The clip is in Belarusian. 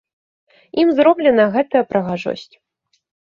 Ім зроблена гэтая прыгажосць.